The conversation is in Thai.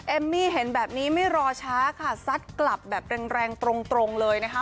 เอมมี่เห็นแบบนี้ไม่รอช้าค่ะซัดกลับแบบแรงตรงเลยนะคะ